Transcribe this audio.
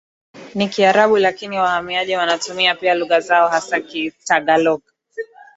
ni Kiarabu lakini wahamiaji wanatumia pia lugha zao hasa Kitagalog